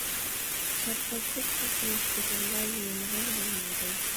شارقىرىتىپ سۇ قويۇش بىلەنلا يۇيۇنغان بولمايدۇ.